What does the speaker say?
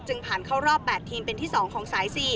ผ่านเข้ารอบ๘ทีมเป็นที่๒ของสาย๔